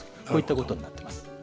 こういったことになっています。